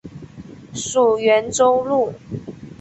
属袁州路。